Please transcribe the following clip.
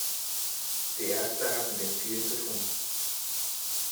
Die erste hat mit den Zielen zu tun.